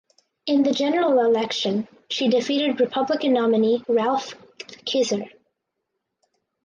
In the general election she defeated Republican nominee Ralph Kizer.